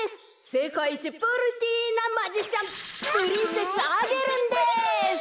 せかいいちプリティーなマジシャンプリンセスアゲルンです。